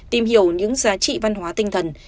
tìm hiểu những giá trị văn hóa tinh thần